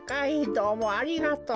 どうもありがとう。